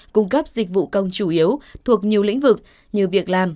cung cấp dịch vụ công chủ yếu thuộc nhiều lĩnh vực như việc làm